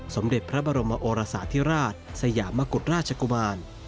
สมเด็จพระบรมโอรสาธิราชสยามกุฎราชกุมาร